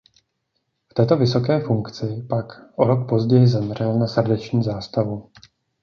V této vysoké funkci pak o rok později zemřel na srdeční zástavu.